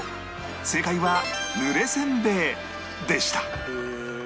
正解はぬれせんべいでした